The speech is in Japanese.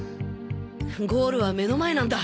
ゴールは目の前なんだ。